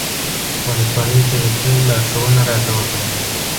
ولسوالۍ ته د تللو لارښوونه راته وکړه.